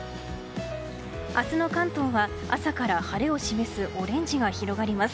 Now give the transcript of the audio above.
明日の関東は朝から晴れを示すオレンジが広がります。